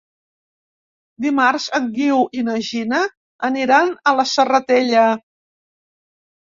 Dimarts en Guiu i na Gina aniran a la Serratella.